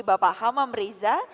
bapak hamam riza